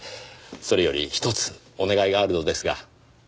それよりひとつお願いがあるのですが。